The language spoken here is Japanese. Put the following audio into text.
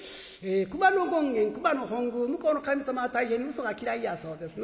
熊野権現熊野本宮向こうの神様は大変にうそが嫌いやそうですな。